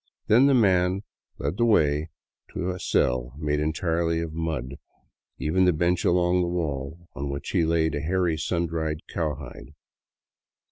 Then the man led the way into a cell made entirely of mud, even to the bench along the wall, on which he laid a hairy, sun dried cowhide.